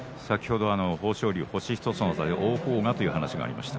豊昇龍は星１つの差でという話がありましたが